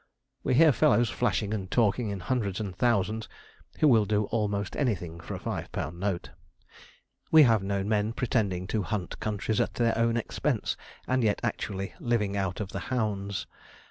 We hear fellows flashing and talking in hundreds and thousands, who will do almost anything for a five pound note. We have known men pretending to hunt countries at their own expense, and yet actually 'living out of the hounds.'